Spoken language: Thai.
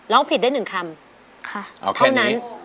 ร้องผิดได้๑คำเท่านั้น